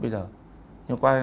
bây giờ nhưng qua